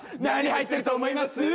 何入ってると思います？